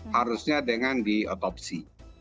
harusnya dengan diotopsi